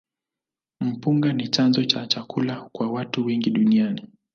Mpunga ni chanzo cha chakula kwa watu wengi duniani.